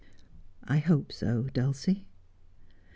' I hope so, Dulcie.'